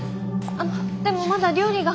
あっでもまだ料理が。